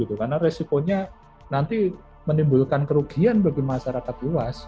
karena resiponya nanti menimbulkan kerugian bagi masyarakat luas